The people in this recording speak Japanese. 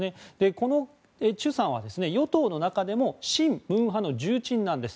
このチュさんは与党の中でも親文派の重鎮なんです。